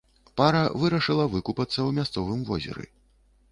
Пара вырашыла выкупацца ў мясцовым возеры.